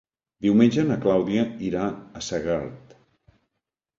Diumenge na Clàudia irà a Segart.